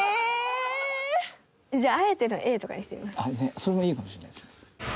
それもいいかもしれない。